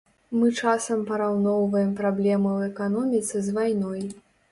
Мы часам параўноўваем праблемы ў эканоміцы з вайной.